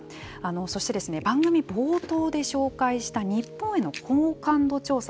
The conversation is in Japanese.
そして番組冒頭で紹介した日本への好感度調査